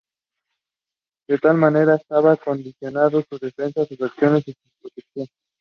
De tal manera estará condicionado su defensa, sus acciones y su protección.